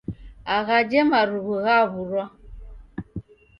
Aghaje marughu ghawurwa